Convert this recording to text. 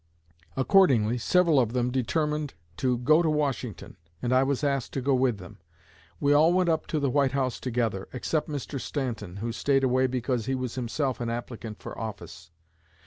Accordingly several of them determined to go to Washington, and I was asked to go with them. We all went up to the White House together, except Mr. Stanton, who stayed away because he was himself an applicant for office.